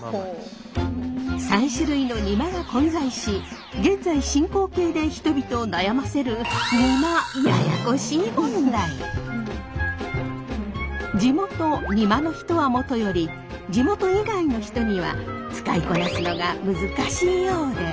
３種類のにまが混在し現在進行形で人々を悩ませる地元にまの人はもとより地元以外の人には使いこなすのが難しいようで。